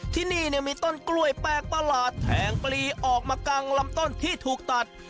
ที่นี่มีต้นกล้วยแปลกประหลาดแทงปลีออกมากลางลำต้นที่ถูกตัด